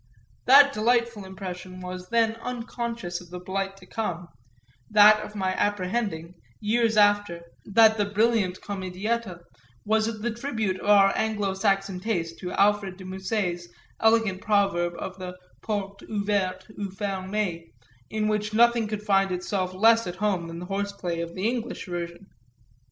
That delightful impression was then unconscious of the blight to come that of my apprehending, years after, that the brilliant comedietta was the tribute of our Anglo Saxon taste to Alfred de Musset's elegant proverb of the Porte Ouverte ou Fermée, in which nothing could find itself less at home than the horseplay of the English version.